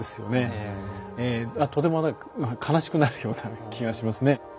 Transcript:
とても悲しくなるような気がしますね。